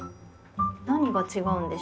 何が違うんでしょう？